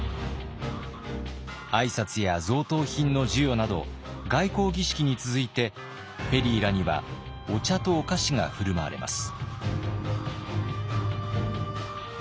挨拶や贈答品の授与など外交儀式に続いてペリーらにはお茶とお菓子が振る舞われます。